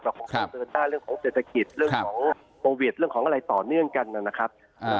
และทางอีกเยอะแยะเลยครับ